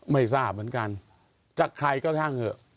ไม่ทราบเหมือนกันจากใครก็ช่างเถอะ